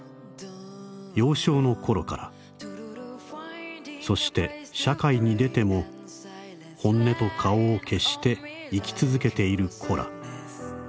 幼少の頃からそして社会に出ても本音と顔を消して生き続けている子ら。